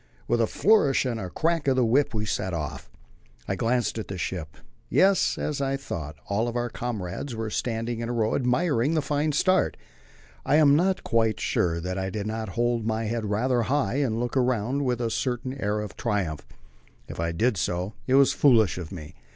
With a flourish and a crack of the whip we set off. I glanced at the ship. Yes; as I thought all our comrades were standing in a row, admiring the fine start. I am not quite sure that I did not hold my head rather high and look round with a certain air of triumph. If I did so, it was foolish of me.